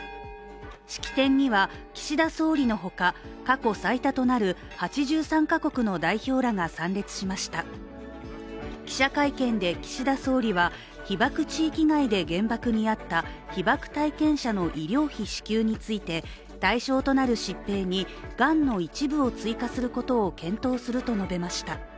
式典には岸田総理のほか、過去最多となる８３カ国の代表らが参列しました記者会見で岸田総理は被爆地域外で原爆に遭った原爆に遭った被爆体験者の医療費支給について対象となる疾病に、がんの一部を追加することを検討すると述べました。